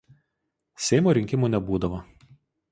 Seimo rinkimų nebūdavo.